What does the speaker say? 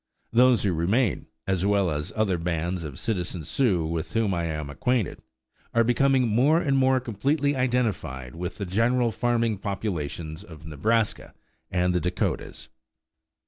Those who remain, as well as other bands of citizen Sioux with whom I am acquainted, are becoming more and more completely identified with the general farming population of Nebraska and the Dakotas.